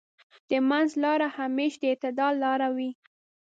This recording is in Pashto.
د منځ لاره همېش د اعتدال لاره وي.